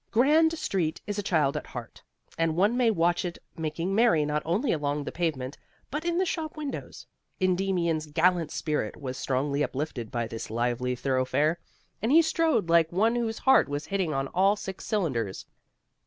Grand Street is a child at heart, and one may watch it making merry not only along the pavement but in the shop windows. Endymion's gallant spirit was strongly uplifted by this lively thoroughfare, and he strode like one whose heart was hitting on all six cylinders.